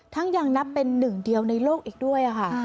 ยังนับเป็นหนึ่งเดียวในโลกอีกด้วยค่ะ